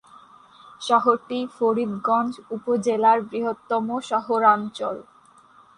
শহরটি ফরিদগঞ্জ উপজেলার বৃহত্তম শহরাঞ্চল।